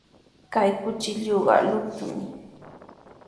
Kay kuchilluqa luqtumi.